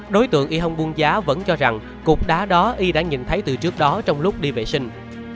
đối tượng y hồng buông giá vẫn cho rằng cục đá đó y đã nhìn thấy từ trước đó trong lúc đi vệ sinh